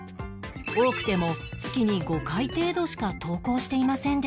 多くても月に５回程度しか投稿していませんでした